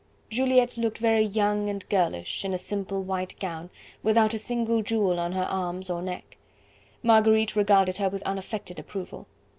Juliette looked very young and girlish in a simple white gown, without a single jewel on her arms or neck. Marguerite regarded her with unaffected approval.